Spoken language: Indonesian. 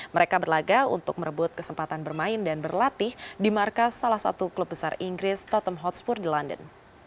mereka berlaga untuk merebut kesempatan bermain dan berlatih di markas salah satu klub besar inggris tottenhatspur di london